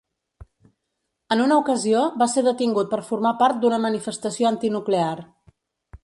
En una ocasió va ser detingut per formar part d'una manifestació antinuclear